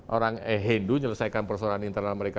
orang hendu nyelesaikan persoalan internal mereka